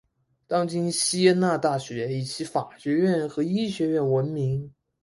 当今锡耶纳大学以其法学院和医学院闻名。